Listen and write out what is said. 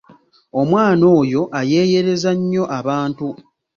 Omwana oyo ayeeyereza nnyo abantu!